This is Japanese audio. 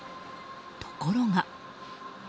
ところが。